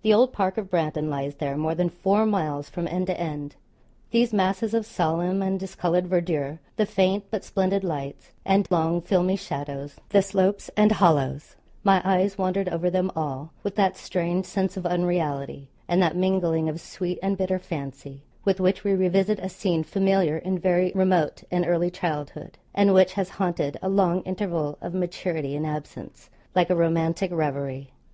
The old park of Brandon lies there, more than four miles from end to end. These masses of solemn and discoloured verdure, the faint but splendid lights, and long filmy shadows, the slopes and hollows my eyes wandered over them all with that strange sense of unreality, and that mingling of sweet and bitter fancy, with which we revisit a scene familiar in very remote and early childhood, and which has haunted a long interval of maturity and absence, like a romantic reverie.